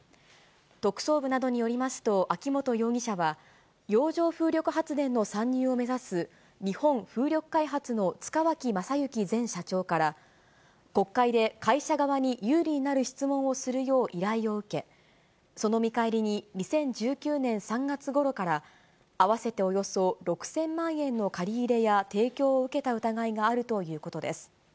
特捜部などによりますと、秋本容疑者は、洋上風力発電の参入を目指す日本風力開発の塚脇正幸前社長から、国会で会社側に有利になる質問をするよう依頼を受け、その見返りに２０１９年３月ごろから、合わせておよそ６０００万円の借り入れや提供を受けた疑いがあるということです。